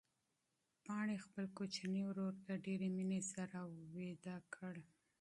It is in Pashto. پاڼې خپل کوچنی ورور په ډېرې مینې سره ویده کړ.